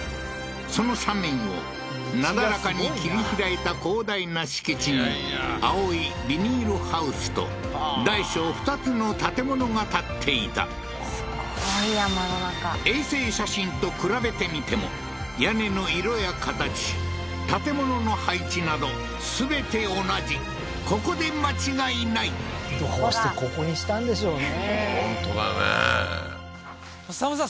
その斜面をなだらかに切り開いた広大な敷地に青いビニールハウスと大小２つの建物が建っていたすごい山の中衛星写真と比べてみても屋根の色や形建物の配置など全て同じここで間違いないどうしてここにしたんでしょうね？